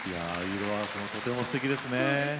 色合わせもとてもすてきですね。